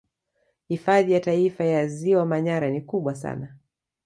Hifadhi ya Taifa ya ziwa Manyara ni kubwa sana